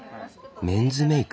メンズメイク？